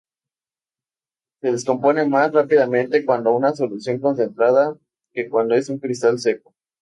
Se descompone más rápidamente cuando una solución concentrada que cuando es un cristal seco.